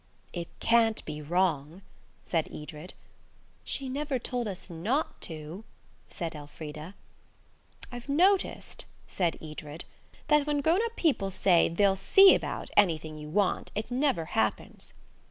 "It can't be wrong," said Edred. "She never told us not to," said Elfrida. "I've noticed," said Edred, "that when grownup people say 'they'll see about' anything you want it never happens."